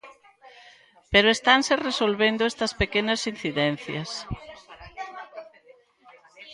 Pero estanse resolvendo estas pequenas incidencias.